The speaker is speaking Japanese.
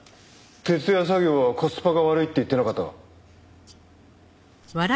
徹夜作業はコスパが悪いって言ってなかったか？